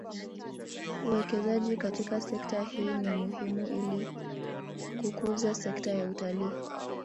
Uwekezaji katika sekta hii ni muhimu ili kukuza sekta ya utalii